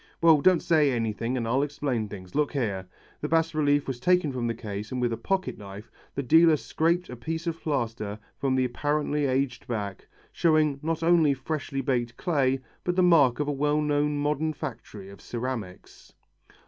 "Well, don't say anything and I'll explain things look here." The bas relief was taken from the case and with a pocketknife the dealer scraped a piece of plaster from the apparently aged back, showing not only freshly baked clay but the mark of a well known modern factory of ceramics.